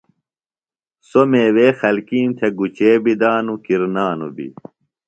سو میوے خلکیم تھےۡ گُچے بی دانو، کرنانو بی۔